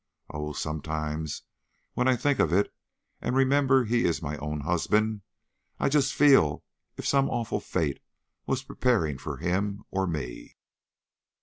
Oh, sometimes when I think of it and remember he is my own husband, I just feel as if some awful fate was preparing for him or me!"